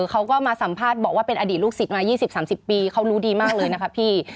เขาก็มาสัมภาษณ์บอกว่าเป็นอดีตลูกศิษย์มา๒๐๓๐ปีเขารู้ดีมากเลยนะคะพี่